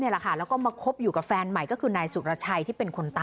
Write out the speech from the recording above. แล้วก็มาคบอยู่กับแฟนใหม่ก็คือนายสุรชัยที่เป็นคนตาย